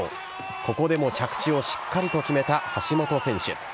ここでも着地をしっかりと決めた橋本選手。